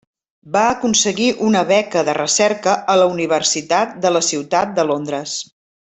Va aconseguir una beca de recerca a la Universitat de la Ciutat de Londres.